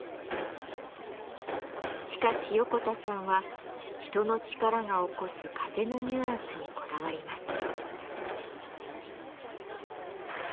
しかし横田さんは人の力が起こす風のニュアンスにこだわります。